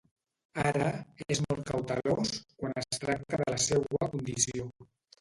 Ara, és molt cautelós quan es tracta de la seua condició.